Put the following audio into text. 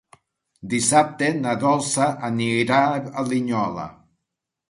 Dissabte na Dolça anirà a Linyola.